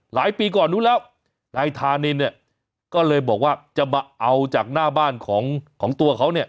หลายปีก่อนนู้นแล้วนายธานินเนี่ยก็เลยบอกว่าจะมาเอาจากหน้าบ้านของตัวเขาเนี่ย